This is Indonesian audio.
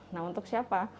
nah untuk siapa